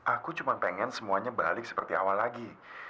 aku cuma pengen semuanya balik seperti awal lagi